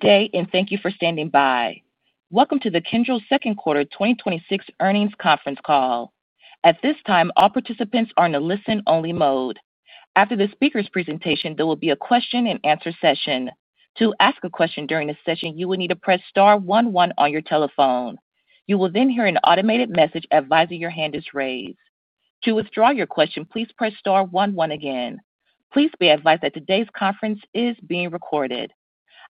Good day and thank you for standing by. Welcome to the Kyndryl second quarter 2026 earnings conference call. At this time, all participants are in a listen only mode. After the speaker's presentation, there will be a question and answer session. To ask a question during this session, you will need to press star one one on your telephone. You will then hear an automated message advising your hand is raised. To withdraw your question, please press star one one again. Please be advised that today's conference is being recorded.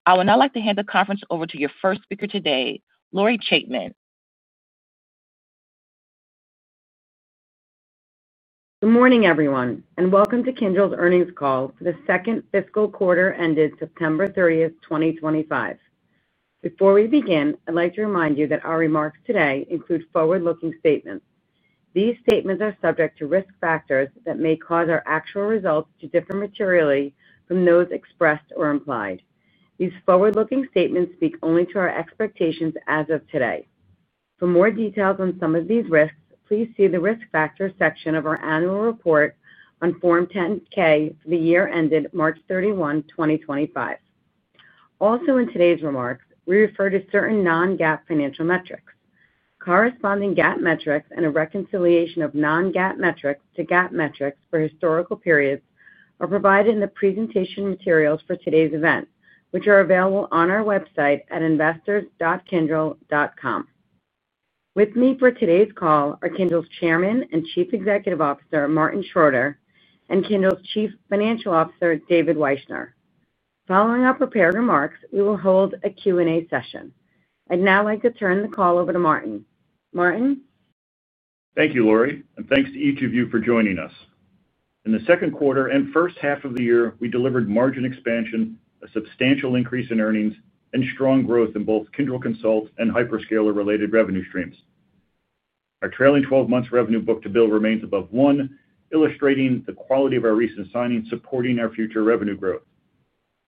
I would now like to hand the conference over to your first speaker today, Lori Chaitman. Good morning everyone and welcome to Kyndryl's earnings call for the second fiscal quarter ended September 30, 2025. Before we begin, I'd like to remind you that our remarks today include forward looking statements. These statements are subject to risk factors that may cause our actual results to differ materially from those expressed or implied. These forward looking statements speak only to our expectations as of today. For more details on some of these risks, please see the Risk Factors section of our annual report on Form 10-K for the year ended March 31, 2025. Also in today's remarks, we refer to certain non-GAAP financial metrics. Corresponding GAAP metrics and a reconciliation of non-GAAP metrics to GAAP metrics for historical periods are provided in the presentation materials for today's event, which are available on our website at investors.kyndryl.com. With me for today's call are Kyndryl's Chairman and Chief Executive Officer Martin Schroeter, and Kyndryl's Chief Financial Officer David Wyshner. Following our prepared remarks, we will hold a Q&A session. I'd now like to turn the call over to Martin. Martin. Thank you, Lori. Thanks to each of you for joining us. In the second quarter and first half of the year, we delivered margin expansion, a substantial increase in earnings, and strong growth in both Kyndryl Consult and hyperscaler-related revenue streams. Our trailing 12 months revenue book to bill remains above one, illustrating the quality of our recent signings supporting our future revenue growth.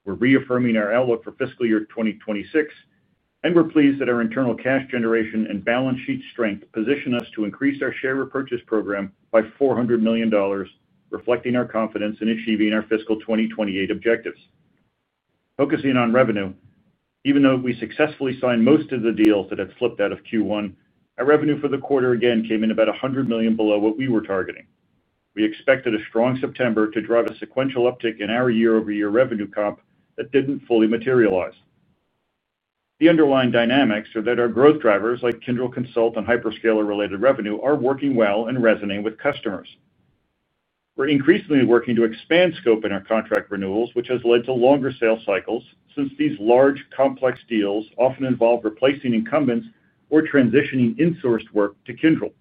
We are reaffirming our outlook for fiscal year 2026 and we are pleased that our internal cash generation and balance sheet strength position us to increase our share repurchase program by $400 million, reflecting our confidence in achieving our fiscal 2028 objectives. Focusing on revenue, even though we successfully signed most of the deals that had slipped out of Q1, our revenue for the quarter again came in about $100 million below what we were targeting. We expected a strong September to drive a sequential uptick in our year over year revenue comp that did not fully materialize. The underlying dynamics are that our growth drivers like Kyndryl Consult and hyperscaler-related revenue are working well and resonate with customers. We are increasingly working to expand scope in our contract renewals, which has led to longer sales cycles. Since these large complex deals often involve replacing incumbents or transitioning insourced work to Kyndryl,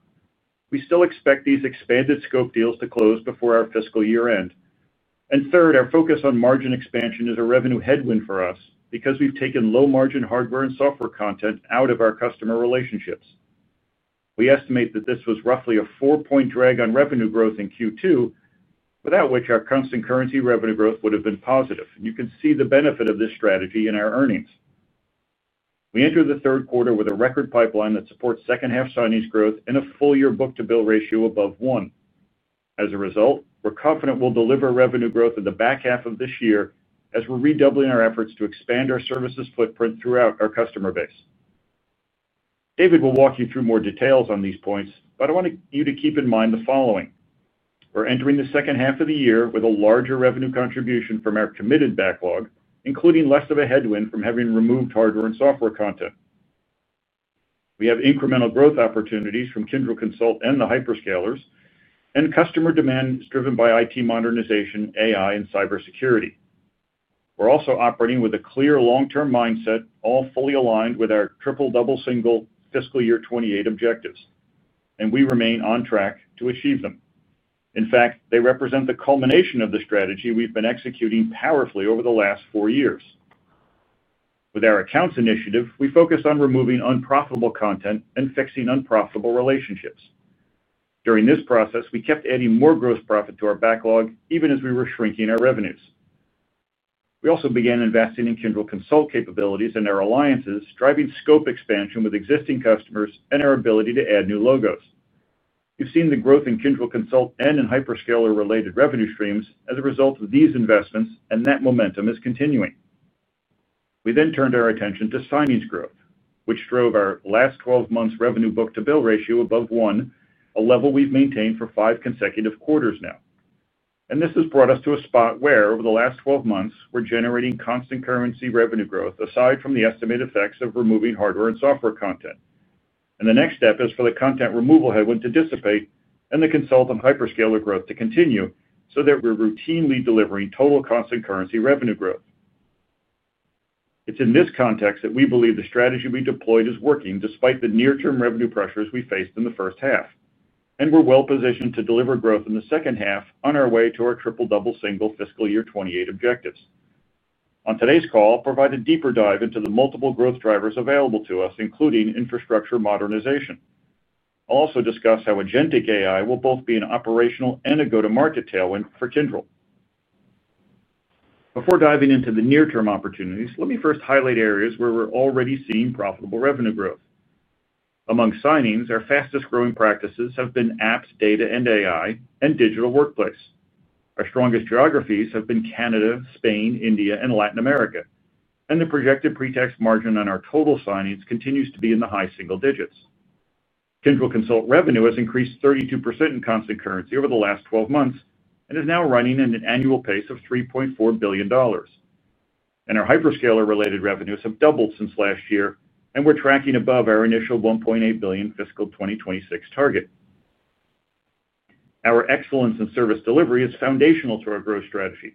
we still expect these expanded scope deals to close before our fiscal year end. Third, our focus on margin expansion is a revenue headwind for us because we have taken low margin hardware and software content out of our customer relationships. We estimate that this was roughly a 4% drag on revenue growth in Q2, without which our constant currency revenue growth would have been positive. You can see the benefit of this strategy in our earnings. We entered the third quarter with a record pipeline that supports second half signings growth and a full year book to bill ratio above 1. As a result, we're confident we'll deliver revenue growth in the back half of this year as we're redoubling our efforts to expand our services footprint throughout our customer base. David will walk you through more details on these points, but I want you to keep in mind the following. We're entering the second half of the year with a larger revenue contribution from our committed backlog, including less of a headwind from having removed hardware and software content. We have incremental growth opportunities from Kyndryl Consult and the hyperscalers, and customer demand is driven by IT modernization, AI, and cybersecurity. We're also operating with a clear long term mindset, all fully aligned with our triple double single fiscal year 2028 objectives and we remain on track to achieve them. In fact, they represent the culmination of the strategy we've been executing powerfully over the last four years. With our Accounts Initiative, we focused on removing unprofitable content and fixing unprofitable relationships. During this process we kept adding more gross profit to our backlog even as we were shrinking our revenues. We also began investing in Kyndryl Consult capabilities and our alliances, driving scope expansion with existing customers and our ability to add new logos. We've seen the growth in Kyndryl Consult and in hyperscaler-related revenue streams as a result of these investments and that momentum is continuing. We then turned our attention to signings growth, which drove our last 12 months revenue book to bill ratio above one, a level we've maintained for five consecutive quarters now, and this has brought us to a spot where over the last 12 months we're generating constant currency revenue growth aside from the estimated effects of removing hardware and software content. The next step is for the content removal headwind to dissipate and the consultant hyperscaler growth to continue so that we're routinely delivering total constant currency revenue growth. It is in this context that we believe the strategy we deployed is working despite the near term revenue pressures we faced in the first half, and we're well positioned to deliver growth in the second half on our way to our triple double single fiscal year 2028 objectives. On today's call, I'll provide a deeper dive into the multiple growth drivers available to us, including infrastructure modernization. I'll also discuss how agentic AI will both be an operational and a go to market tailwind for Kyndryl. Before diving into the near term opportunities, let me first highlight areas where we're already seeing profitable revenue growth. Among signings, our fastest growing practices have been apps, data and AI and digital workplace. Our strongest geographies have been Canada, Spain, India and Latin America and the projected pre tax margin on our total signings continues to be in the high single digits. Kyndryl Consult revenue has increased 32% in constant currency over the last 12 months and is now running at an annual pace of $3.4 billion and our hyperscaler related revenues have doubled since last year and we're tracking above our initial $1.8 billion fiscal 2026 target. Our excellence in service delivery is foundational to our growth strategy.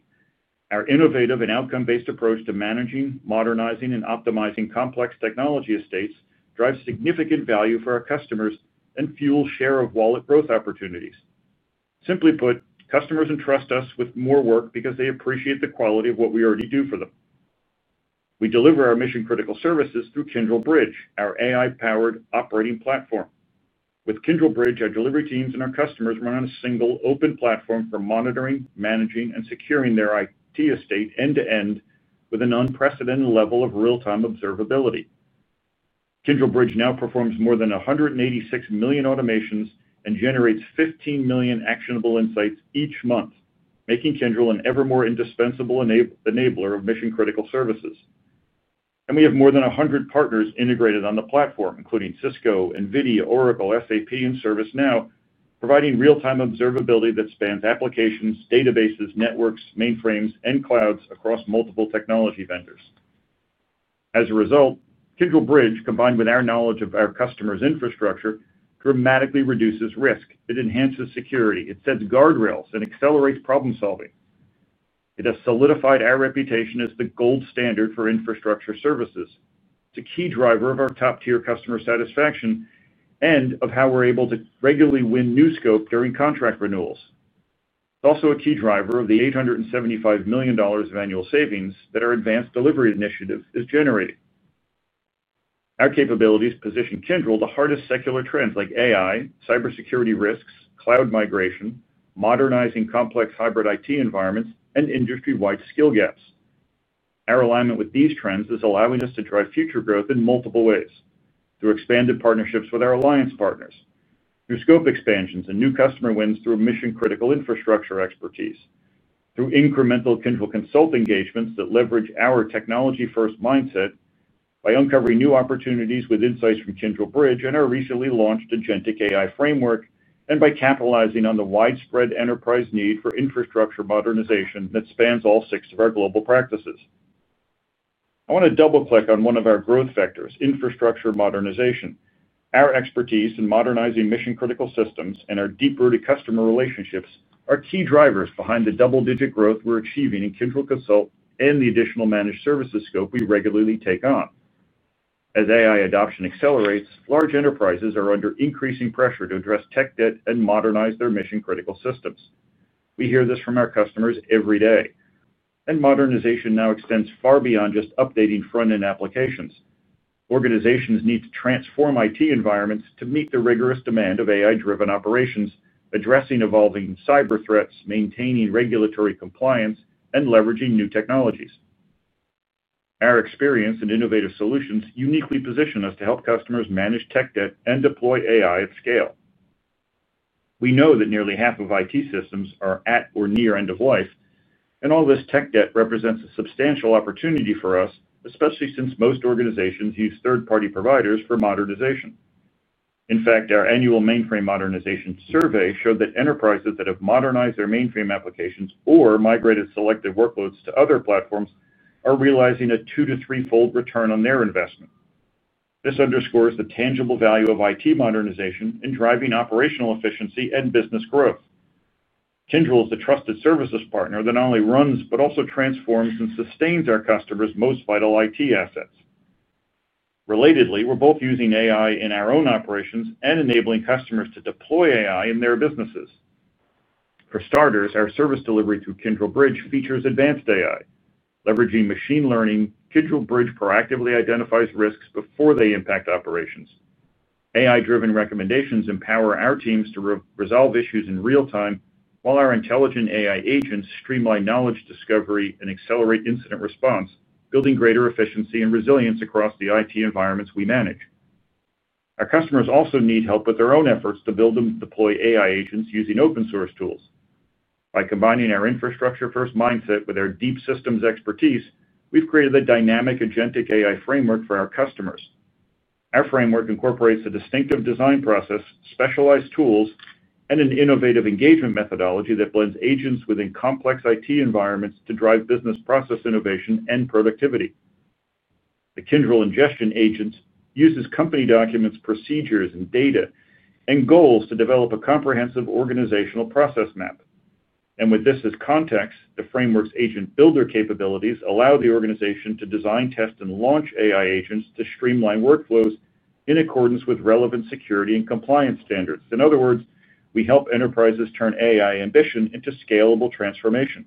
Our innovative and outcome-based approach to managing, modernizing, and optimizing complex technology estates drives significant value for our customers and fuels share of wallet growth opportunities. Simply put, customers entrust us with more work because they appreciate the quality of what we already do for them. We deliver our mission-critical services through Kyndryl Bridge, our AI-powered operating platform. With Kyndryl Bridge, our delivery teams and our customers run on a single open platform for monitoring, managing, and securing their IT estate end to end with an unprecedented level of real-time observability. Kyndryl Bridge now performs more than 186 million automations and generates 15 million actionable insights each month, making Kyndryl an ever more indispensable enabler of mission-critical services. We have more than 100 partners integrated on the platform including Cisco, NVIDIA, Oracle, SAP, and ServiceNow, providing real time observability that spans applications, databases, networks, mainframes, and clouds across multiple technology vendors. As a result, Kyndryl Bridge combined with our knowledge of our customers' infrastructure dramatically reduces risk. It enhances security, it sets guardrails, and accelerates problem solving. It has solidified our reputation as the gold standard for infrastructure services. It is a key driver of our top tier customer satisfaction and of how we are able to regularly win new scope during contract renewals. It is also a key driver of the $875 million of annual savings that our Advanced Delivery Initiative is generating. Our capabilities position Kyndryl at the hardest secular trends like AI, cybersecurity risks, cloud migration, modernizing complex hybrid IT environments, and industry wide skill gaps. Our alignment with these trends is allowing us to drive future growth in multiple ways through expanded partnerships with our alliance partners, through scope expansions and new customer wins, through mission critical infrastructure expertise, through incremental Kyndryl Consult engagements that leverage our technology-first mindset by uncovering new opportunities with insights from Kyndryl Bridge and our recently launched Agentic AI Framework, and by capitalizing on the widespread enterprise need for infrastructure modernization that spans all six of our global practices. I want to double click on one of our growth factors: infrastructure modernization. Our expertise in modernizing mission critical systems and our deep-rooted customer relationships are key drivers behind the double-digit growth we're achieving in Kyndryl Consult and the additional managed services scope we regularly take on. As AI adoption accelerates, large enterprises are under increasing pressure to address tech debt and modernize their mission critical systems. We hear this from our customers every day and modernization now extends far beyond just updating front end applications. Organizations need to transform IT environments to meet the rigorous demand of AI-driven operations, addressing evolving cyber threats, maintaining regulatory compliance, and leveraging new technologies. Our experience and innovative solutions uniquely position us to help customers manage tech debt and deploy AI at scale. We know that nearly half of IT systems are at or near end of life and all this tech debt represents a substantial opportunity for us, especially since most organizations use third-party providers for modernization. In fact, our annual Mainframe Modernization Survey showed that enterprises that have modernized their mainframe applications or migrated selected workloads to other platforms are realizing a two- to three-fold return on their investment. This underscores the tangible value of IT modernization in driving operational efficiency and business growth. Kyndryl is a trusted services partner that not only runs, but also transforms and sustains our customers' most vital IT assets. Relatedly, we're both using AI in our own operations and enabling customers to deploy AI in their businesses. For starters, our service delivery through Kyndryl Bridge features advanced AI leveraging machine learning. Kyndryl Bridge proactively identifies risks before they impact operations. AI-driven recommendations empower our teams to resolve issues in real time while our intelligent AI agents streamline knowledge discovery and accelerate incident response, building greater efficiency and resilience across the IT environments we manage. Our customers also need help with their own efforts to build and deploy AI agents using open source tools. By combining our infrastructure-first mindset with our deep systems expertise, we've created a dynamic Agentic AI Framework for our customers. Our framework incorporates a distinctive design process, specialized tools and an innovative engagement methodology that blends agents within complex IT environments to drive business process innovation and productivity. The Kyndryl Ingestion Agent uses company documents, procedures and data and goals to develop a comprehensive organizational process map. With this as context, the framework's Agent Builder capabilities allow the organization to design, test and launch AI agents to streamline workflows in accordance with relevant security and compliance standards. In other words, we help enterprises turn AI ambition into scalable transformation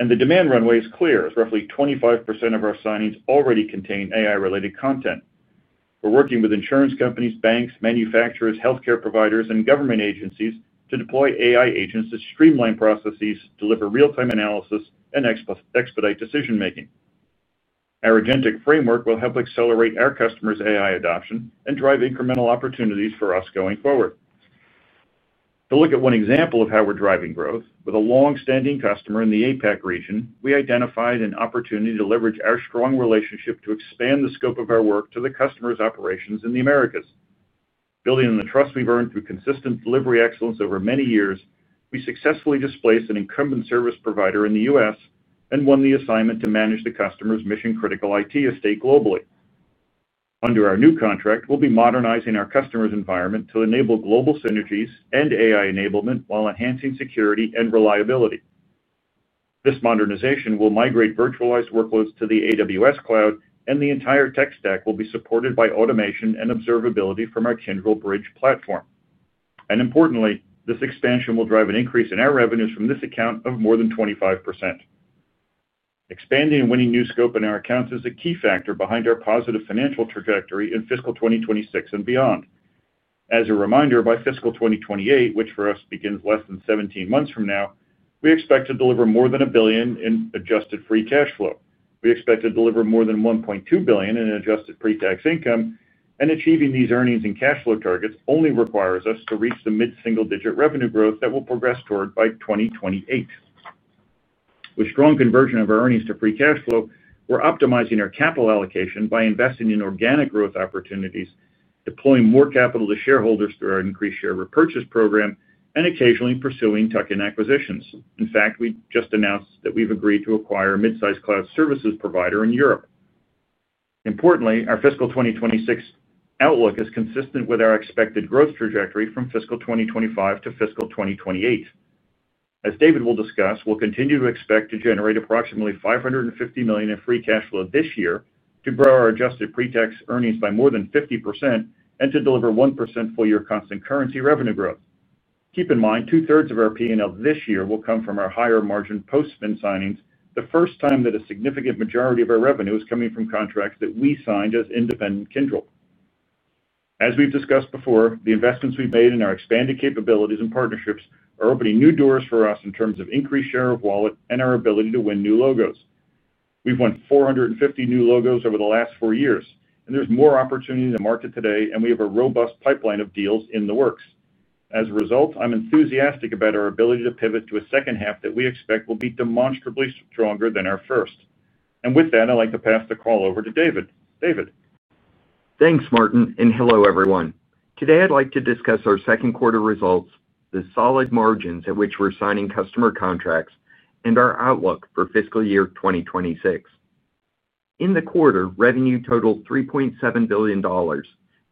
and the demand runway is clear as roughly 25% of our signings already contain AI related content. We are working with insurance companies, banks, manufacturers, healthcare providers and government agencies to deploy AI agents to streamline processes, deliver real time analysis and expedite decision making. Our AgentIQ Framework will help accelerate our customers' AI adoption and drive incremental opportunities for us going forward. To look at one example of how we're driving growth with a long-standing customer in the APAC region, we identified an opportunity to leverage our strong relationship to expand the scope of our work to the customer's operations in the Americas. Building on the trust we've earned through consistent delivery excellence over many years, we successfully displaced an incumbent service provider in the U.S. and won the assignment to manage the customer's mission-critical IT estate globally. Under our new contract, we'll be modernizing our customer's environment to enable global synergies and AI enablement while enhancing security and reliability. This modernization will migrate virtualized workloads to the AWS cloud and the entire tech stack will be supported by automation and observability from our Kyndryl Bridge platform. Importantly, this expansion will drive an increase in our revenues from this account of more than 25%. Expanding and winning new scope in our accounts is a key factor behind our positive financial trajectory in fiscal 2026 and beyond. As a reminder, by fiscal 2028, which for us begins less than 17 months from now, we expect to deliver more than $1 billion in adjusted free cash flow. We expect to deliver more than $1.2 billion in adjusted pre-tax income, and achieving these earnings and cash flow targets only requires us to reach the mid-single-digit revenue growth that we will progress toward by 2028 with strong conversion of our earnings to free cash flow. We are optimizing our capital allocation by investing in organic growth opportunities, deploying more capital to shareholders through our increased share repurchase program, and occasionally pursuing tuck-in acquisitions. In fact, we just announced that we've agreed to acquire a midsize cloud services provider in Europe. Importantly, our fiscal 2026 outlook is consistent with our expected growth trajectory from fiscal 2025 to fiscal 2028. As David will discuss, we'll continue to expect to generate approximately $550 million in free cash flow this year, to grow our adjusted pre-tax earnings by more than 50%, and to deliver 1% full year constant currency revenue growth. Keep in mind, two-thirds of our P&L this year will come from our higher margin post-spin signings. The first time that a significant majority of our revenue is coming from contracts that we signed as independent Kyndryl. As we've discussed before, the investments we've made in our expanded capabilities and partnerships with are opening new doors for us in terms of increased share of wallet and our ability to win new logos. We've won 450 new logos over the last four years and there's more opportunity in the market today and we have a robust pipeline of deals in the works as a result. I'm enthusiastic about our ability to pivot to a second half that we expect will be demonstrably stronger than our first. With that I'd like to pass the call over to David. Thanks Martin and hello everyone. Today I'd like to discuss our second quarter results, the solid margins at which we're signing customer contracts, and our outlook for fiscal year 2026. In the quarter, revenue totaled $3.7 billion,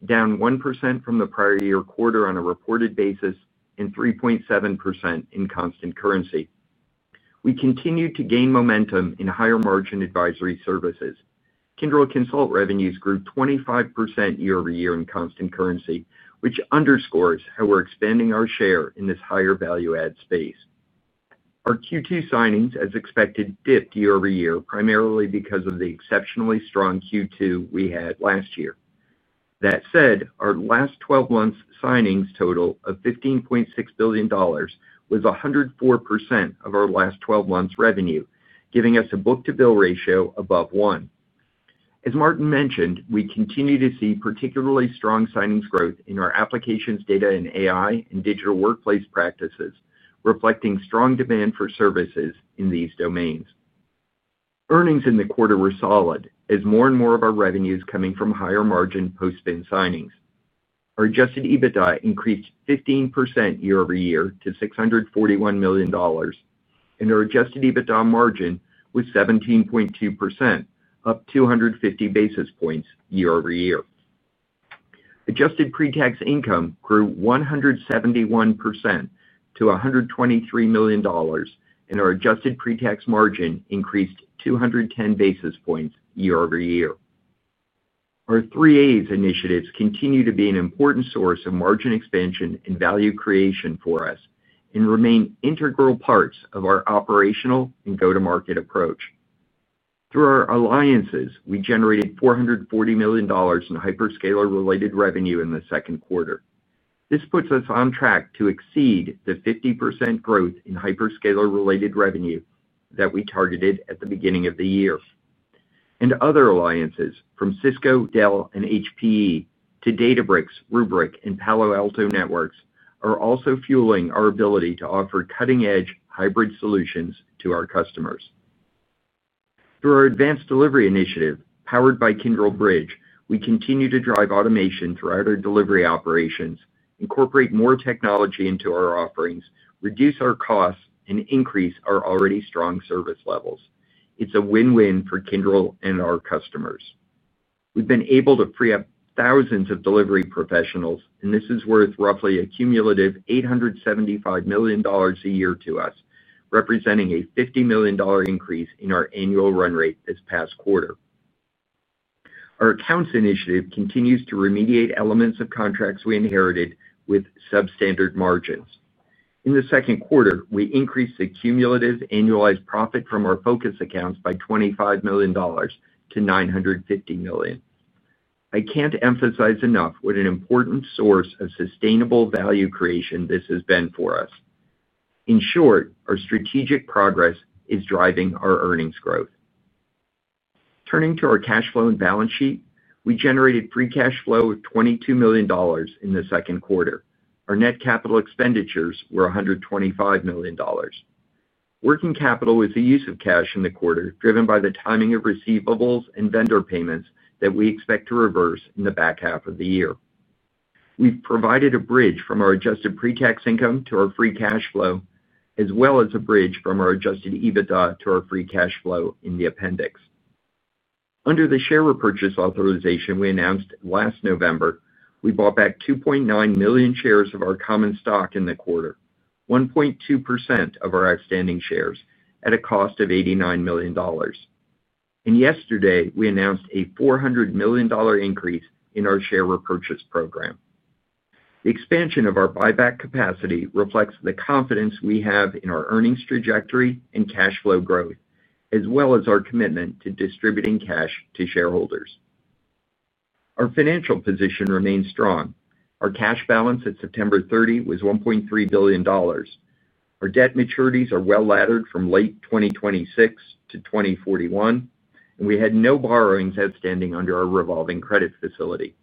down 1% from the prior year quarter on a reported basis and 3.7% in constant currency. We continue to gain momentum in higher margin advisory services. Kyndryl Consult revenues grew 25% year-over-year in constant currency, which underscores how we're expanding our share in this higher value add space. Our Q2 signings, as expected, dipped year over year primarily because of the exceptionally strong Q2 we had last year. That said, our last 12 months signings total of $15.6 billion was 104% of our last 12 months revenue, giving us a book to bill ratio above 1. As Martin mentioned, we continue to see particularly strong signings growth in our applications, data and AI, and digital workplace practices, reflecting strong demand for services in these domains. Earnings in the quarter were solid as more and more of our revenue is coming from higher margin post-spin signings. Our Adjusted EBITDA increased 15% year-over-year to $641 million and our Adjusted EBITDA margin was 17.2%, up 250 basis points year-over-year. Adjusted Pre-Tax Income grew 171% to $123 million and our Adjusted Pre-Tax margin increased 210 basis points year-over -ear. Our three A's initiatives continue to be an important source of margin expansion and value creation for us and remain integral parts of our operational and go-to-market approach. Through our alliances, we generated $440 million in hyperscaler-related revenue in the second quarter. This puts us on track to exceed the 50% growth in hyperscaler-related revenue that we targeted at the beginning of the year. Other alliances from Cisco, Dell, and HPE to Databricks, Rubrik, and Palo Alto Networks are also fueling our ability to offer cutting-edge hybrid solutions to our customers. Through our Advanced Delivery Initiative powered by Kyndryl Bridge, we continue to drive automation throughout our delivery operations, incorporate more technology into our offerings, reduce our costs, and increase our already strong service levels. It's a win-win for Kyndryl and our customers. We've been able to preempt thousands of delivery professionals, and this is worth roughly a cumulative $875 million a year to us, representing a $50 million increase in our annual run rate this past quarter. Our Accounts Initiative continues to remediate elements of contracts we inherited with substandard margins. In the second quarter, we increased the cumulative annualized profit from our focus accounts by $25 million and to $950 million. I can't emphasize enough what an important source of sustainable value creation this has been for us. In short, our strategic progress is driving our earnings growth. Turning to our cash flow and balance sheet, we generated free cash flow of $22 million in the second quarter. Our net capital expenditures were $125 million. Working capital was the use of cash in the quarter, driven by the timing of receivables and vendor payments that we expect to reverse in the back half of the year. We've provided a bridge from our adjusted pre-tax income to our free cash flow as well as a bridge from our Adjusted EBITDA to our free cash flow. In the appendix, under the Share Repurchase authorization we announced last November, we bought back 2.9 million shares of our common stock in the quarter, 1.2% of our outstanding shares at a cost of $89 million, and yesterday we announced a $400 million increase in our share repurchase program. The expansion of our buyback capacity reflects the confidence we have in our earnings trajectory and cash flow growth, as well as our commitment to distributing cash to shareholders. Our financial position remains strong. Our cash balance at September 30th was $1.3 billion. Our debt maturities are well laddered from late 2026 to 2041, and we had no borrowings outstanding under our revolving credit facility.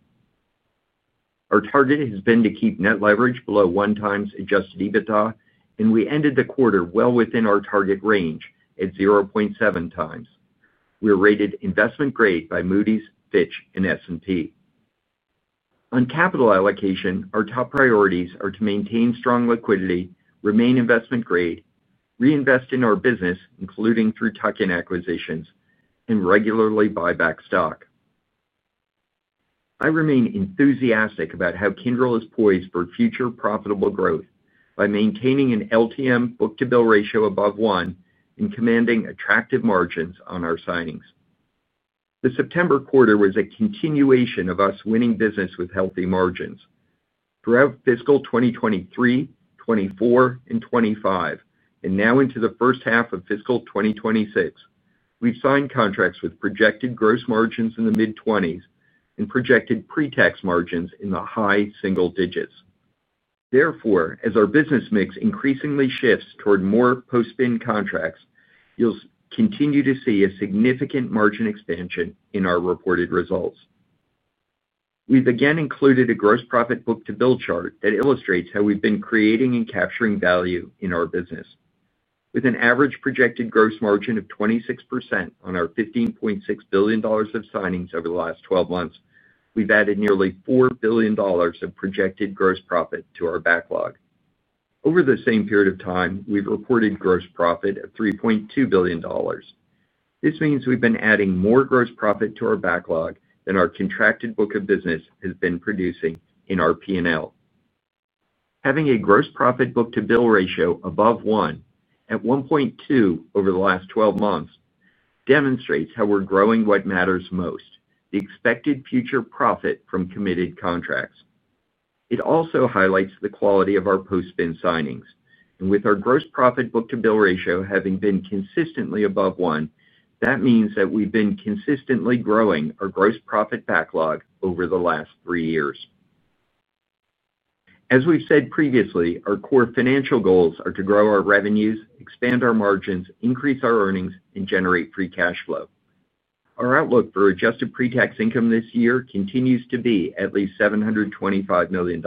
Our target has been to keep net leverage below 1x Adjusted EBITDA and we ended the quarter well within our target range at 0.7x. We were rated investment grade by Moody's, Fitch and S&P on capital allocation. Our top priorities are to maintain strong liquidity, remain investment grade, reinvest in our business, including through tuck-in acquisitions, and regularly buy back stock. I remain enthusiastic about how Kyndryl is poised for future profitable growth by maintaining an LTM book to bill ratio above one and commanding attractive margins on our signings. The September quarter was a continuation of U.S. winning business with healthy margins. Throughout fiscal 2023, 2024 and 2025 and now into the first half of fiscal 2026, we've signed contracts with projected gross margins in the mid-20s and projected pretax margins in the high single digits. Therefore, as our business mix increasingly shifts toward more post-spin contracts, you'll continue to see a significant margin expansion. In our reported results, we've again included a gross profit book to bill chart that illustrates how we've been creating and capturing value in our business. With an average projected gross margin of 26% on our $15.6 billion of signings over the last 12 months, we've added nearly $4 billion of projected gross profit to our backlog. Over the same period of time, we've reported gross profit at $3.2 billion. This means we've been adding more gross profit to our backlog than our contracted book of business has been producing in our P&L. Having a gross profit book to bill ratio above 1 at 1.2 over the last 12 months demonstrates how we're growing. What matters most is the expected future profit from committed contracts. It also highlights the quality of our post-spin signings. With our gross profit book to bill ratio having been consistently above 1, that means that we've been consistently growing our gross profit backlog over the last three years. As we've said previously, our core financial goals are to grow our revenues, expand our margins, increase our earnings, and generate free cash flow. Our outlook for adjusted pre-tax income this year continues to be at least $725 million.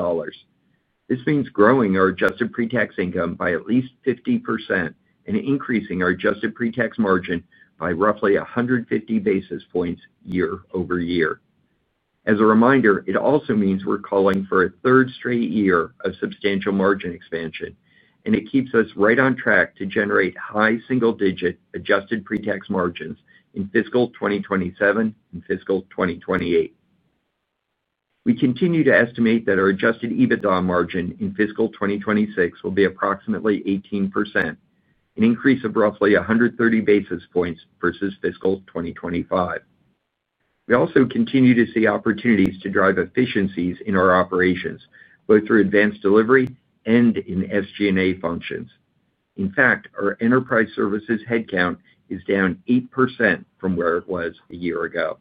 This means growing our adjusted pre-tax income by at least 50% and increasing our adjusted pre-tax margin by roughly 150 basis points year-over-year. As a reminder, it also means we're calling for a third straight year of substantial margin expansion, and it keeps us right on track to generate high single digit adjusted pre-tax margins in fiscal 2027 and fiscal 2028. We continue to estimate that our Adjusted EBITDA margin in fiscal 2026 will be approximately 18%, an increase of roughly 130 basis points versus fiscal 2025. We also continue to see opportunities to drive efficiencies in our operations both through advanced delivery and in SG&A functions. In fact, our enterprise services headcount is down 8% from where it was a year ago.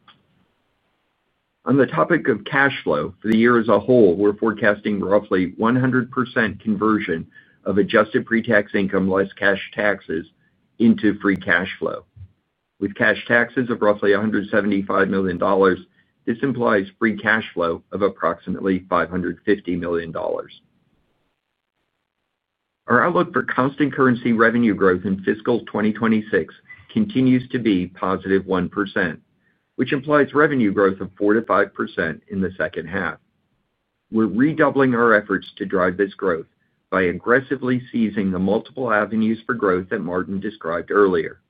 On the topic of cash flow for the year as a whole, we're forecasting roughly 100% conversion of adjusted pre tax income less cash taxes into free cash flow, with cash taxes of roughly $175 million. This implies free cash flow of approximately $550 million. Our outlook for constant currency revenue growth in fiscal 2026 continues to be positive 1%, which implies revenue growth of 4%-5% in the second half. We're redoubling our efforts to drive this growth by aggressively seizing the multiple avenues for growth that Martin described earlier.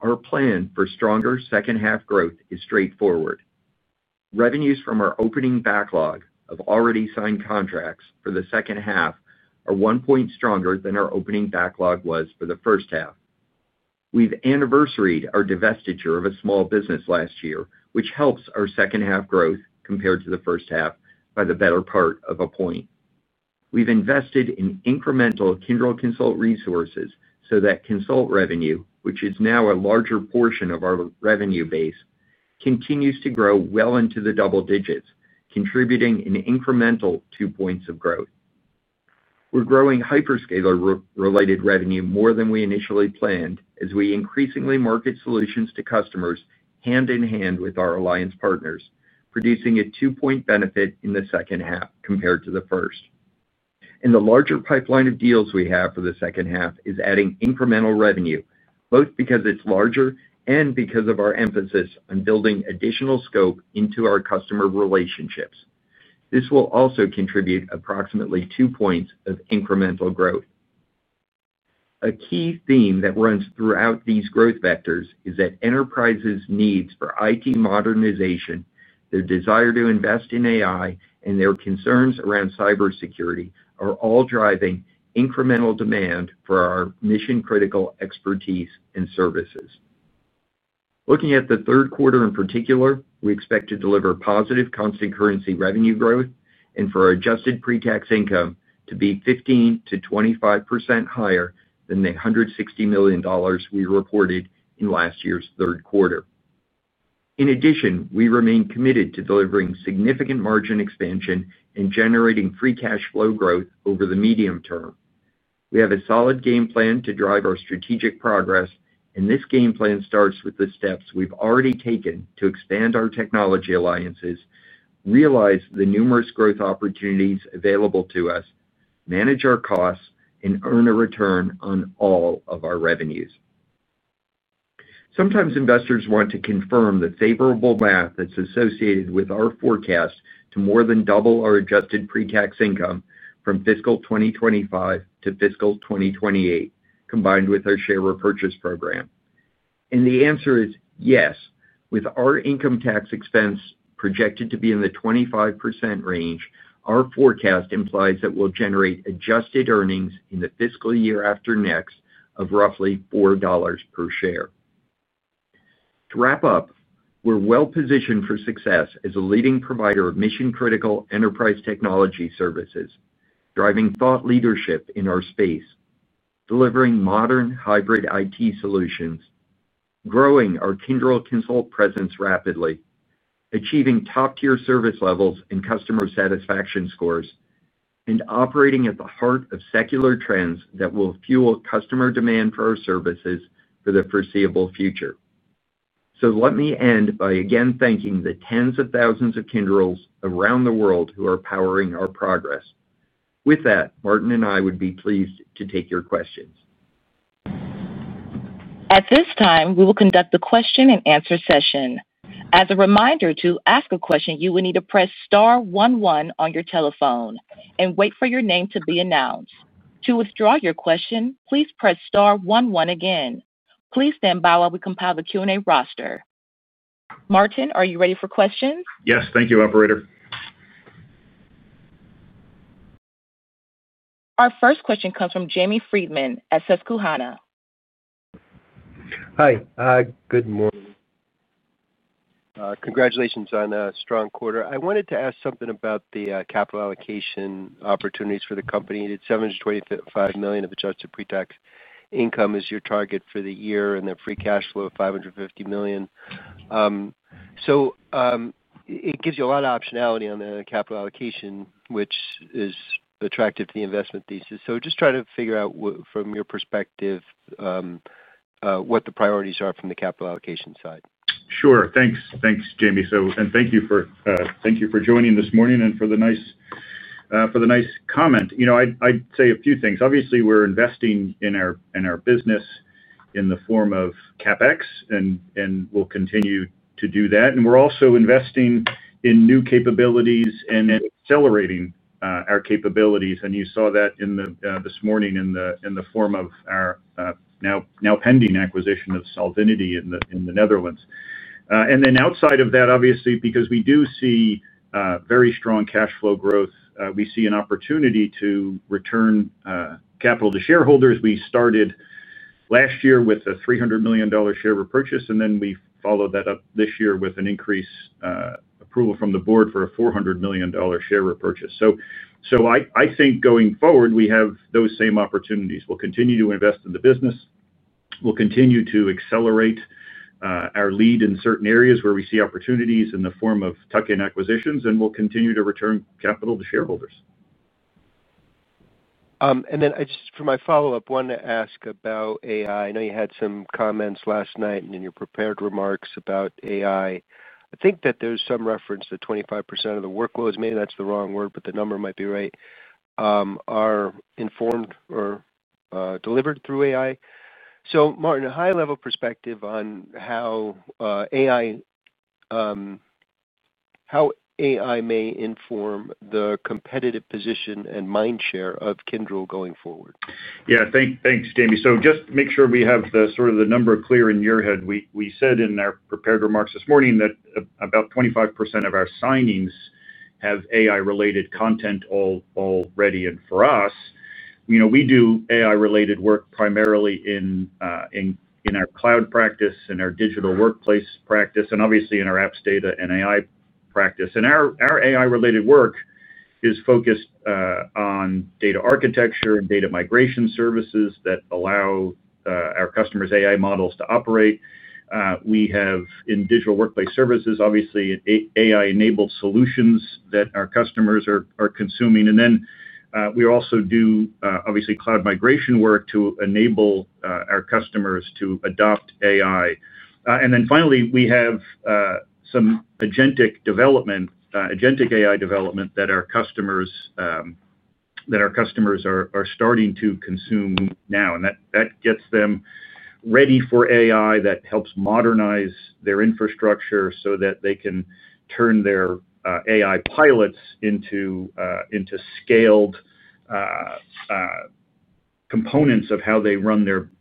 Our plan for stronger second half growth is straightforward. Revenues from our opening backlog of already signed contracts for the second half are one point stronger than our opening backlog was for the first half. We've anniversaried our divestiture of a small business last year, which helps our second half growth compared to the first half by the better part of a point. We've invested in incremental Kyndryl Consult resources so that consult revenue, which is now a larger portion of our revenue base, continues to grow well into the double digits, contributing an incremental 2 points of growth. We're growing hyperscaler-related revenue more than we initially planned as we increasingly market solutions to customers hand in hand with our alliance partners, producing a 2 point benefit in the second half compared to the first. The larger pipeline of deals we have for the second half is adding incremental revenue both because it's larger and because of our emphasis on building additional scope into our customer relationships. This will also contribute approximately 2 points of incremental growth. A key theme that runs throughout these growth vectors is that enterprises' needs for IT modernization, their desire to invest in AI, and their concerns around cybersecurity are all driving incremental demand for our mission-critical expertise and services. Looking at the third quarter in particular, we expect to deliver positive constant currency revenue growth and for our adjusted pre-tax income to be 15%-25% higher than the $160 million we reported in last year's third quarter. In addition, we remain committed to delivering significant margin expansion and generating free cash flow growth over the medium term. We have a solid game plan to drive our strategic progress and this game plan starts with the steps we've already taken to expand our technology alliances, realize the numerous growth opportunities available to us, manage our costs and earn a return on all of our revenues. Sometimes investors want to confirm the favorable math that's associated with our forecast to more than double our adjusted pre-tax income from fiscal 2025 to fiscal 2028 combined with our share repurchase program and the answer is yes. With our income tax expense projected to be in the 25% range, our forecast implies that we'll generate adjusted earnings in the fiscal year after next of roughly $4 per share. To wrap up. We're well positioned for success as a leading provider of mission critical enterprise technology services, driving thought leadership in our space, delivering modern hybrid IT solutions, growing our Kyndryl Consult presence, rapidly achieving top tier service levels and customer satisfaction scores, and operating at the heart of secular trends that will fuel customer demand for our services for the foreseeable future. Let me end by again thanking the tens of thousands of Kyndryls around the world who are powering our progress. With that, Martin and I would be pleased to take your questions. At this time we will conduct the question-and-answer session. As a reminder, to ask a question, you will need to press star one one on your telephone and wait for your name to be announced. To withdraw your question, please press star one one again. Please stand by while we compile the Q&A roster. Martin, are you ready for questions? Yes, thank you, operator. Our first question comes from Jamie Friedman at Susquehanna. Hi, good morning. Congratulations on a strong quarter. I wanted to ask something about the capital allocation opportunities for the company. Did $725 million of adjusted pre-tax income as your target for the year and the free cash flow of $550 million? It gives you a lot of optionality on the capital allocation, which is attractive to the investment thesis. Just trying to figure out from your perspective what the priorities are from the capital allocation side. Sure, thanks. Thanks Jamie. And thank you for joining this morning and for the nice comment. I'd say a few things. Obviously we're investing in our business in the form of CapEx and we'll continue to do that. And we're also investing in new capabilities and accelerating our capabilities. And you saw that this morning in the form of our now pending acquisition of Solvinity in the Netherlands. And then outside of that, obviously, because we do see very strong cash flow growth, we see an opportunity to return capital to shareholders. We started last year with a $300 million share repurchase and then we followed that up this year with an increase approval from the board for a $400 million share repurchase. So I think going forward we have those same opportunities. We'll continue to invest in the business, we'll continue to accelerate our lead in certain areas where we see opportunities in the form of tuck-in acquisitions, and we'll continue to return capital to shareholders. I just for my follow up, want to ask about AI. I know you had some comments last night and in your prepared remarks about AI, I think that there's some reference to 25% of the workloads, maybe that's the wrong word, but the number might be right, are informed or delivered through AI. Martin, a high level perspective on how AI, how AI may inform the competitive position and mind share of Kyndryl going forward. Yeah, thanks Jamie. Just make sure we have the sort of the number clear in your head. We said in our prepared remarks this morning that about 25% of our signings have AI related content already. For us, you know, we do AI related work primarily in our cloud practice and our digital workplace practice and obviously in our apps, data and AI practice. Our AI related work is focused on data architecture and data migration services that allow our customers' AI models to operate. We have in digital workplace services obviously AI enabled solutions that our customers are consuming. We also do obviously cloud migration work to enable our customers to adopt AI. We have some agentic development, agentic AI development that our customers are starting to consume now and that gets them ready for AI, that helps modernize their infrastructure so that they can turn their AI pilots into scaled components of how they run their business.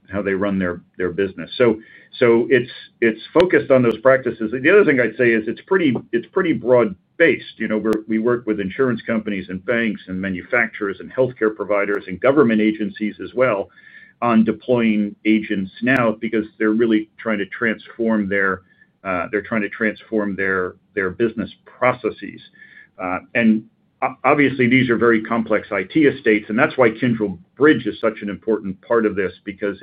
It is focused on those practices. The other thing I'd say is it's pretty broad based. We work with insurance companies and banks and manufacturers and healthcare providers and government agencies as well on deploying agents now because they're really trying to transform their business processes and obviously these are very complex IT estates and that's why Kyndryl Bridge is such an important part of this because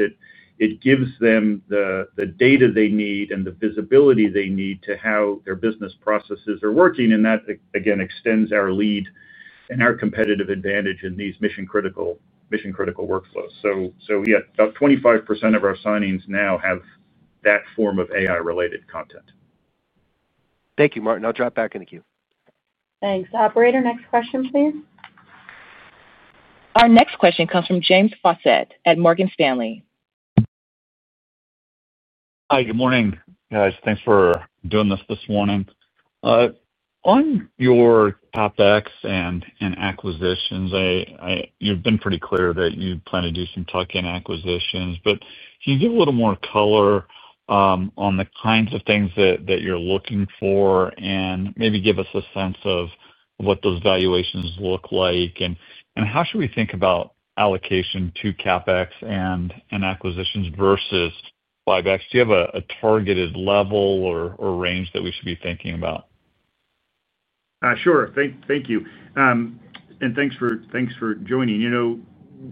it gives them the data they need and the visibility they need to how their business processes are working. That again extends our lead and our competitive advantage in these mission critical workflows. About 25% of our signings now have that form of AI related content. Thank you, Martin. I'll drop back in the queue. Thanks, operator. Next question, please. Our next question comes from James Faucette at Morgan Stanley. Hi, good morning guys. Thanks for doing this this morning on your CapEx and acquisitions. You've been pretty clear that you plan to do some tuck in acquisitions, but can you give a little more color on the kinds of things that you're looking for and maybe give us a sense of what those valuations look like and how should we think about allocation to CapEx and acquisitions versus buybacks? Do you have a targeted level or range that we should be thinking about? Sure. Thank you and thanks for joining.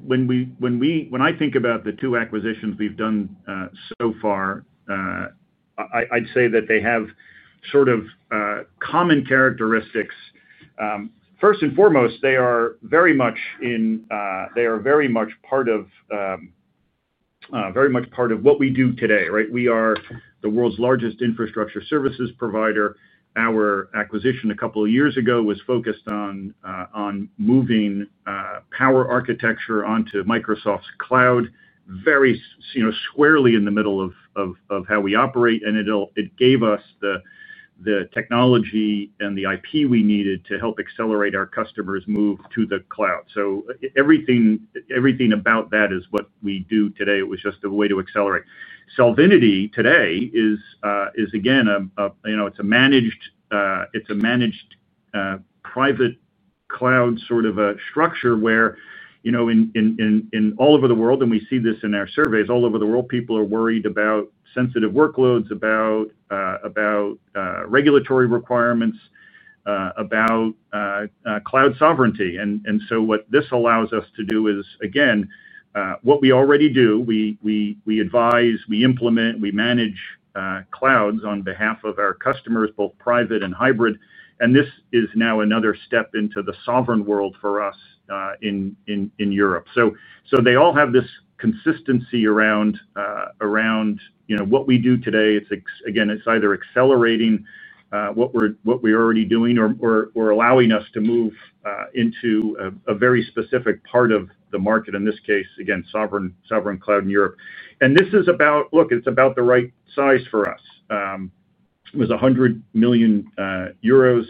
When I think about the two acquisitions we've done so far, I'd say that they have sort of common characteristics. First and foremost, they are very much in, they are very much part of, very much part of what we do today. Right. We are the world's largest infrastructure services provider. Our acquisition a couple of years ago was focused on moving power architecture onto Microsoft's cloud, very squarely in the middle of how we operate. It gave us the technology and the IP we needed to help accelerate our customers move to the cloud. Everything about that is what we do today, it was just a way to accelerate Solvinity. Today is, again, it's a managed private cloud sort of structure where all over the world, and we see this in our surveys all over the world, people are working, worried about sensitive workloads, about regulatory requirements, about cloud sovereignty. What this allows us to do is, again, what we already do, we advise, we implement. We manage clouds on behalf of our customers, both private and hybrid. This is now another step into the sovereign world for us in Europe. They all have this consistency around what we do today. Again, it's either accelerating what we're already doing or allowing us to move into a very specific part of the market. In this case, again, sovereign cloud in Europe. This is about, look, it's about the right size. For us it was 100 million euros.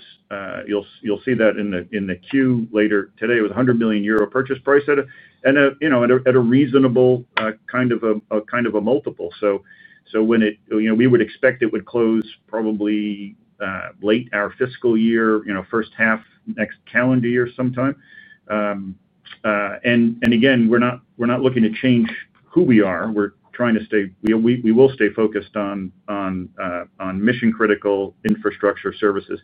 You'll see that in the queue later today with 100 million euro purchase price at a, and at a reasonable kind of a multiple. When it, you know, we would expect it would close probably late our fiscal year, first half, next calendar year, sometime. Again we're not looking to change who we are. We're trying to stay, we will stay focused on mission critical infrastructure services.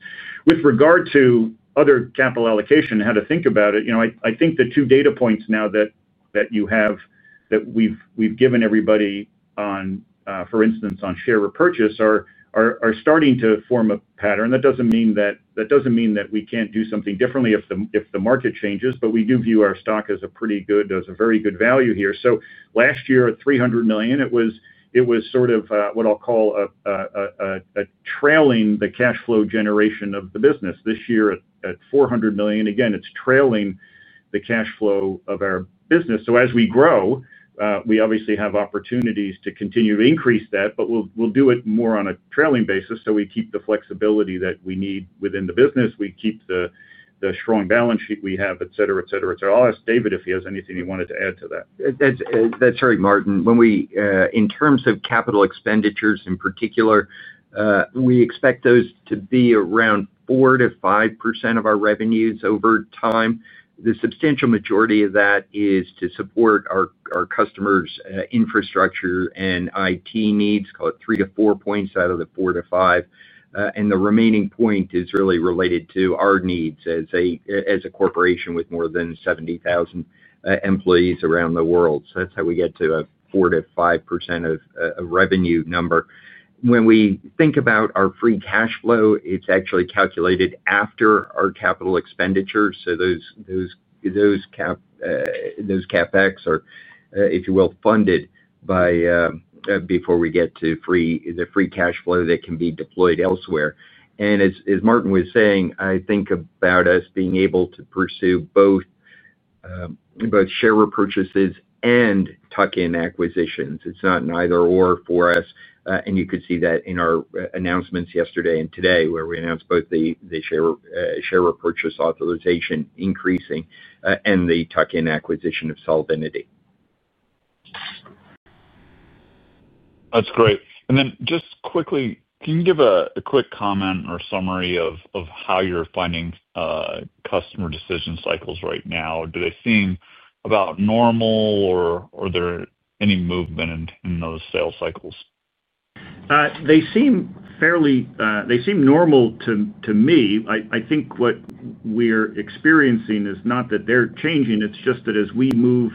With regard to other capital allocation, how to think about it, I think the two data points now that you have that we've given everybody for instance on share repurchase are starting to form a pattern. That doesn't mean that we can't do something differently if the market changes. We do view our stock as a pretty good, as a very good value here. Last year at $300 million it was sort of what I'll call a trailing the cash flow generation of the business. This year at $400 million, again it's trailing the cash flow of our business. As we grow we obviously have opportunities to continue to increase that, but we'll do it more on a trailing basis. We keep the flexibility that we need within the business, we keep the strong balance sheet we have, et cetera, et cetera. I'll ask David if he has anything he wanted to add to that. That's right, Martin. In terms of capital expenditures in particular, we expect those to be around 4%-5% of our revenues over time. The substantial majority of that is to support our customers' infrastructure and IT needs, call it three to four points out of the four to five. The remaining point is really related to our needs as a corporation with more than 70,000 employees around the world. That's how we get to the 4%-5% of revenue number. When we think about our free cash flow, it's actually calculated after our capital expenditures. Those CapEx are, if you will, funded before we get to the free cash flow that can be deployed elsewhere. As Martin was saying, I think about us being able to pursue both, both share repurchases and tuck-in acquisitions. It's not an either or for us. You could see that in our announcements yesterday and today where we announced both the share repurchase authorization increasing and the tuck-in acquisition of Solvinity. That's great. Then just quickly, can you give a quick comment or summary of how you're finding customer decision cycles right now? Do they seem about normal or is there any movement in those sales cycles? They seem fairly, they seem normal to me. I think what we're experiencing is not that they're changing, it's just that as we move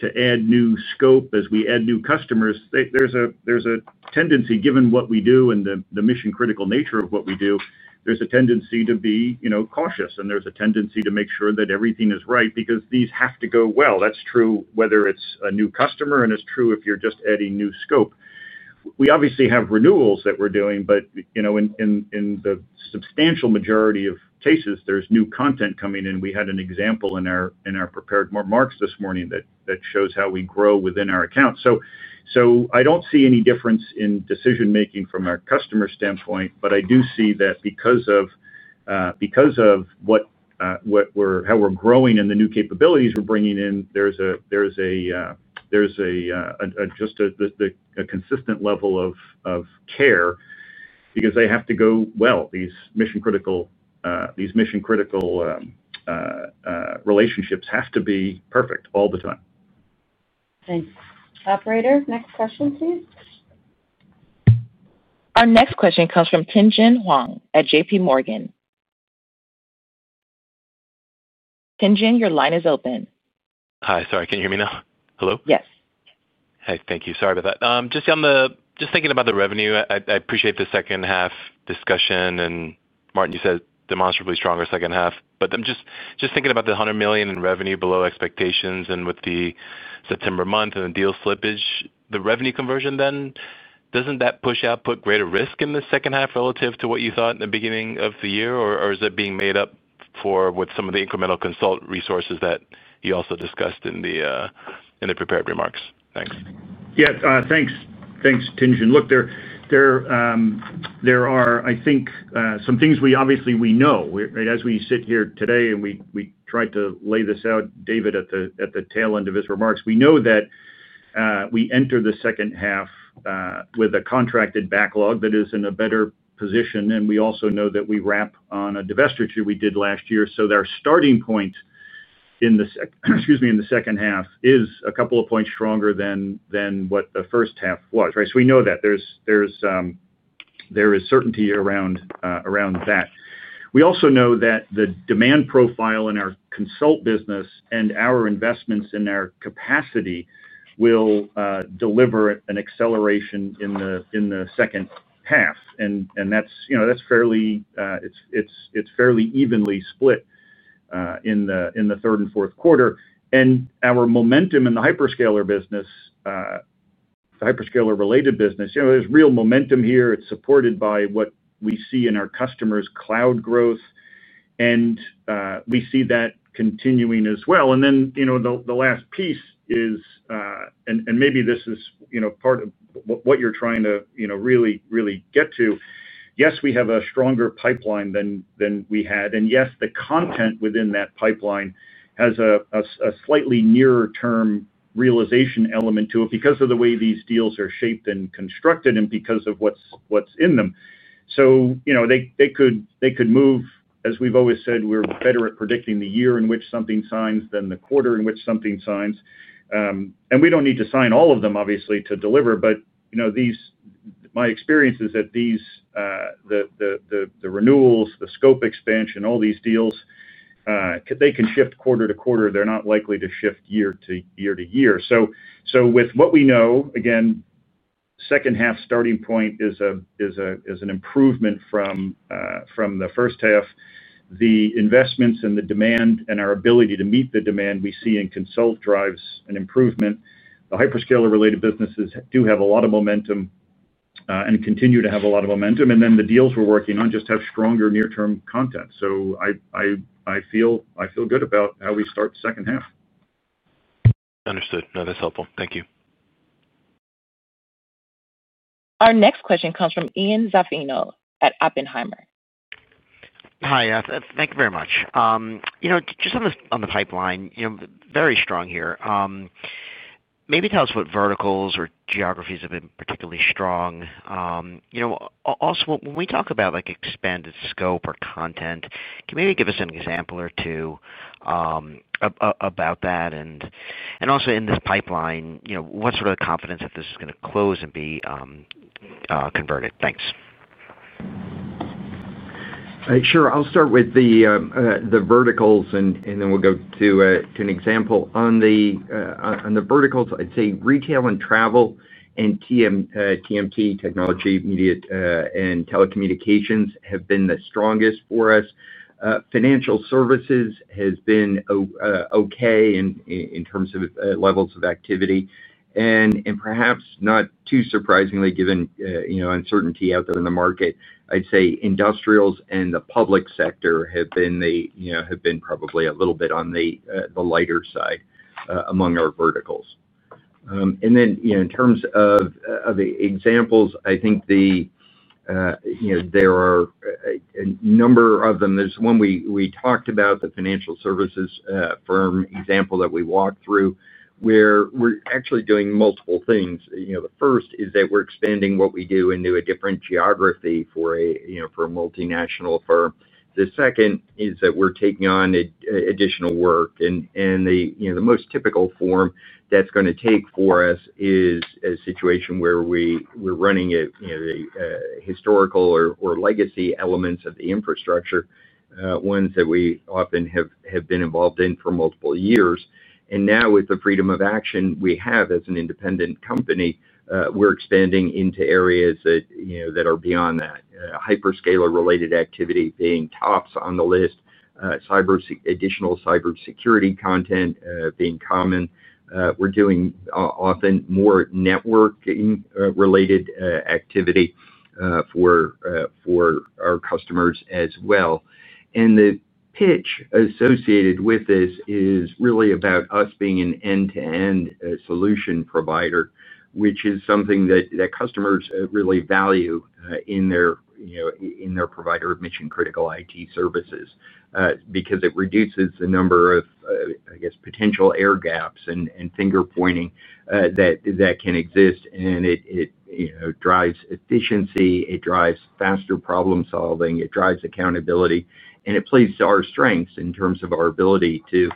to add new scope, as we add new customers, there's a tendency, given what we do and the mission critical nature of what we do, there's a tendency to be cautious and there's a tendency to make sure that everything is right because these have to go well. That's true whether it's a new customer and it's true if you're just adding new scope. We obviously have renewals that we're doing, but in the substantial majority of cases there's new content coming in. We had an example in our prepared remarks this morning that shows how we grow within our account. I do not see any difference in decision making from our customer standpoint. I do see that because of how we are growing and the new capabilities we are bringing in, there is just a consistent level of care because they have to go well. These mission critical relationships have to be perfect all the time. Thanks, operator. Next question, please. Our next question comes from Tien-Tsin Huang at JPMorgan.Tien-Tsin Your line is open. Hi, sorry, can you hear me now? Hello? Yes. Thank you. Sorry about that. Just thinking about the revenue. I appreciate the second half discussion and Martin, you said demonstrably stronger second half, but I'm just thinking about the $100 million in revenue below expectations and with the September month and the deal slippage, the revenue conversion then, doesn't that push out, put greater risk in the second half relative to what you thought in the beginning of the year, or is it being made up for with some of the incremental consult resources that you also discussed in the prepared remarks? Thanks. Yes, thanks. Thanks, Tien-Tsin. Look, there are, I think, some things we, obviously we know as we sit here today and we tried to lay this out, David, at the tail end of his remarks. We know that we enter the second half with a contracted backlog that is in a better position. We also know that we wrap on a divestiture we did last year. Their starting point in the second half is a couple of points stronger than what the first half was. We know that there is certainty around that. We also know that the demand profile in our consult business and our investments in our capacity will deliver an acceleration in the second half. You know, that's fairly, it's fairly evenly split in the third and fourth quarter and our momentum in the hyperscaler business, the hyperscaler-related business, you know, there's real momentum here. It's supported by what we see in our customers, cloud growth. We see that continuing as well. You know, the last piece is, and maybe this is part of what you're trying to really get to. Yes, we have a stronger pipeline than we had and yes, the content within that pipeline has a slightly nearer term realization element to it because of the way these deals are shaped and constructed and because of what's in them. They could move. As we've always said, we're better at predicting the year in which something signs than the quarter in which something signs. We do not need to sign all of them obviously to deliver. My experience is that the renewals, the scope expansion, all these deals, they can shift quarter to quarter, they're not likely to shift year to year. With what we know, again, second half starting point is an improvement from the first half. The investments and the demand and our ability to meet the demand we see in consult drives improvement. The hyperscaler-related businesses do have a lot of momentum and continue to have a lot of momentum. The deals we're working on just have stronger near-term content. I feel good about how we start second half. Understood. No, that's helpful, thank you. Our next question comes from Ian Zaffino at Oppenheimer. Hi, thank you very much. You know, just on the pipeline, very strong here, maybe tell us what verticals or geographies have been particularly strong. Also when we talk about expanded scope or content, can maybe give us an example or two about that. Also in this pipeline, what sort of confidence that this is going to close and be converted. Thanks. Sure. I'll start with the verticals and then we'll go to an example. On the verticals, I'd say retail and travel and TMT, technology, media and telecommunications, have been the strongest for us. Financial services has been okay in terms of levels of activity and perhaps not too surprisingly, given uncertainty out there in the market, I'd say industrials and the public sector have been probably a little bit on the lighter side among our verticals. In terms of the examples, I think there are a number of them. There is one we talked about, the financial services firm example that we walked through where we are actually doing multiple things. The first is that we are expanding what we do into a different geography for a multinational firm. The second is that we are taking on additional work and the most typical form that is going to take for us is a situation where we are running the historical or legacy elements of the infrastructure, ones that we often have been involved in for multiple years. Now with the freedom of action we have as an independent company, we are expanding into areas that are beyond that. Hyperscaler-related activity being tops on the list, additional cybersecurity content being common. We are doing often more networking-related activity for our customers as well. The pitch associated with this is really about us being an end to end solution provider, which is something that customers really value in their provider of mission critical IT services because it reduces the number of, I guess, potential air gaps and finger pointing that can exist. It drives efficiency, it drives faster problem solving, it drives accountability and it plays to our strengths in terms of our ability to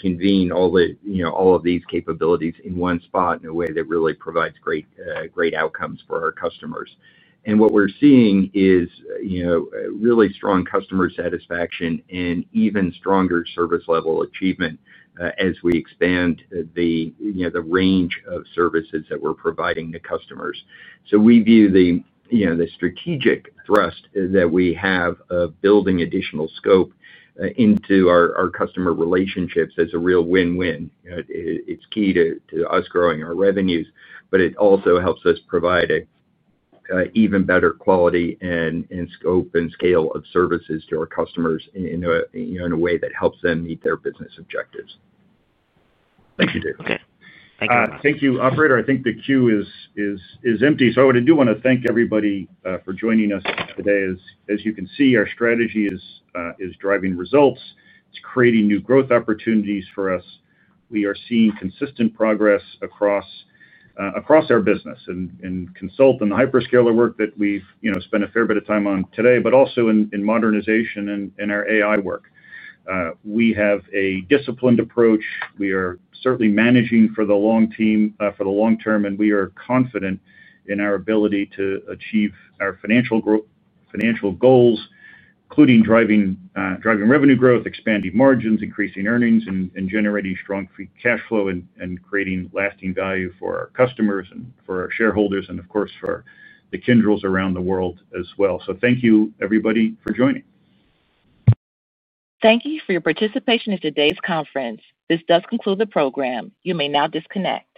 convene all of these capabilities in one spot in a way that really provides great outcomes for our customers. What we are seeing is really strong customer satisfaction and even stronger service level achievement as we expand the range of services that we are providing to customers. We view the strategic thrust that we have of building additional scope into our customer relationships as a real win win. It's key to us growing our revenues, but it also helps us provide even better quality and scope and scale of services to our customers in a way that helps them meet their business objectives. Thank you, Dave. Thank you, operator. I think the queue is empty. I do want to thank everybody for joining us today. As you can see, our strategy is driving results. It is creating new growth opportunities for us. We are seeing consistent progress across our business and consult and the hyperscaler work that we spend a fair bit of time on today, but also in modernization and our AI work. We have a disciplined approach. We are certainly managing for the long term. We are confident in our ability to achieve our financial goals, including driving revenue growth, expanding margins, increasing earnings, generating strong free cash flow, and creating lasting value for our customers and for our shareholders and of course for the Kyndryls around the world as well. Thank you, everybody, for joining. Thank you for your participation in today's conference. This does conclude the program. You may now disconnect.